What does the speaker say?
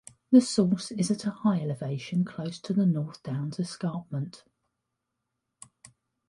The source is at a high elevation close to the North Downs escarpment.